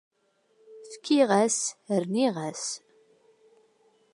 Efkiɣ-as, rniɣ-as.